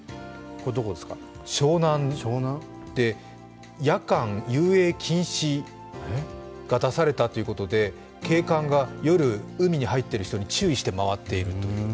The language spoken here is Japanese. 湘南で、夜間、遊泳禁止が出されたということで、警官が夜、海に入っている人に注意して回っているという。